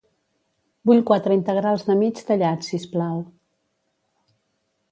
Vull quatre integrals de mig tallats, sisplau